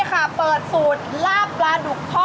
นี่ค่ะเปิดสูตรลาบปลาดุกทอด